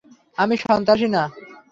আমি সন্ত্রাসী না।